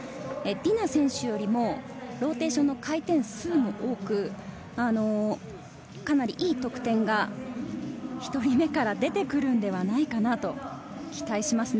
ディナ選手よりもローテーションの回転数も多く、かなりいい得点が出てくるんではないかと期待しますね。